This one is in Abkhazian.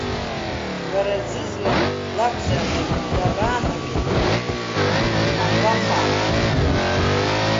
Бара, Ӡызлан лакәзар, дабаанагеи, дҟамлахаат!